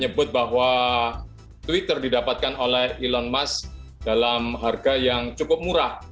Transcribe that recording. menyebut bahwa twitter didapatkan oleh elon musk dalam harga yang cukup murah